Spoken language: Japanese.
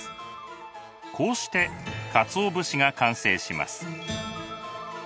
こうしてかつお節が完成します。